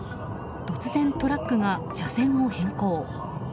突然トラックが車線を変更。